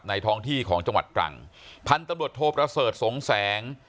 ท้องที่ของจังหวัดตรังพันธุ์ตำรวจโทประเสริฐสงแสง